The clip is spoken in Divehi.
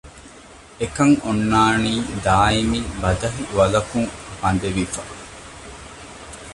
އެކަން އޮންނާނީ ދާއިމީ ބަދަހި ވަލަކުން ބަނދެވިފަ